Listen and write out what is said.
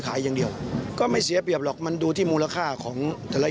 ขายอย่างเดียวก็ไม่เสียเปรียบหรอกมันดูที่มูลค่าของแต่ละ